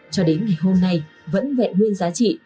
cho đến ngày hôm nay vẫn vẹn nguyên giá trị